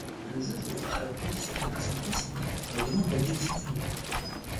Le juge devra alors auditionner la personne concernée par la demande d'habilitation familiale.